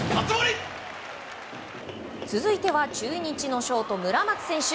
続いては中日のショート、村松選手。